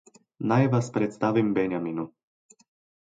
Naj vas predstavim Benjaminu.